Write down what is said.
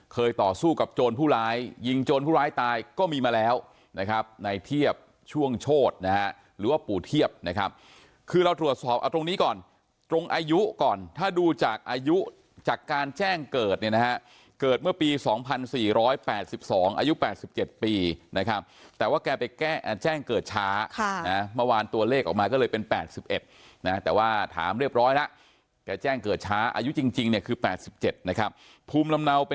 เคยต่อสู้กับโจรผู้ร้ายยิงโจรผู้ร้ายตายก็มีมาแล้วนะครับในเทียบช่วงโชษนะฮะหรือว่าปู่เทียบนะครับคือเราตรวจสอบเอาตรงนี้ก่อนตรงอายุก่อนถ้าดูจากอายุจากการแจ้งเกิดเนี่ยนะฮะเกิดเมื่อปีสองพันสี่ร้อยแปดสิบสองอายุแปดสิบเจ็ดปีนะครับแต่ว่าแกไปแก้แจ้งเกิดช้าค่ะนะฮะเมื่อวานต